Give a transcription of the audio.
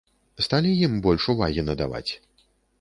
Сталі ім больш увагі надаваць?